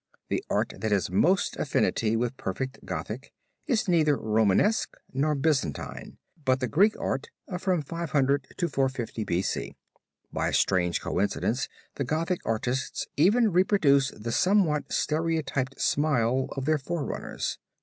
The art that has most affinity with perfect Gothic is neither Romanesque nor Byzantine, but the Greek art of from 500 to 450 B. C. By a strange coincidence, the Gothic artists even reproduce the somewhat stereotyped smile of their forerunners."